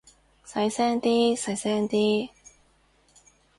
細聲啲，細聲啲